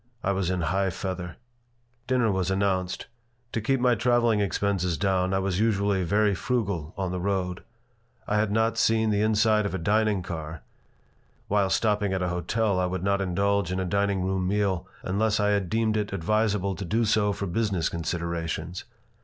I was in high feather Dinner was announced. To keep my traveling expenses down I was usually very frugal on the road. I had not yet seen the inside of a dining car (while stopping at a hotel I would not indulge in a dining room meal unless I deemed it advisable to do so for business considerations).